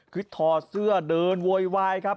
คือถอดเสื้อเดินโวยวายครับ